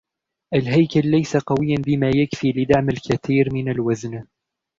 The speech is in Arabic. الهيكل ليس قوياً بما يكفي لدعم الكثير من الوزن.